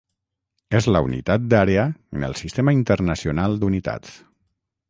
És la unitat d'àrea en el Sistema Internacional d'Unitats.